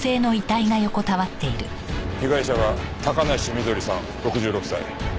被害者は高梨翠さん６６歳。